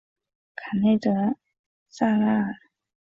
卡内德萨拉尔。